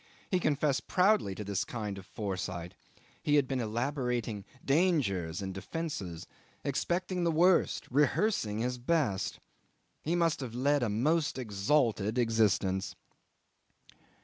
He confessed proudly to this kind of foresight. He had been elaborating dangers and defences, expecting the worst, rehearsing his best. He must have led a most exalted existence.